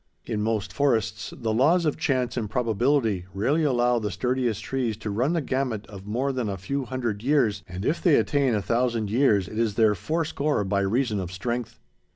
In most forests, the laws of chance and probability rarely allow the sturdiest trees to run the gamut of more than a few hundred years, and if they attain a thousand years, it is their "fourscore—by reason of strength."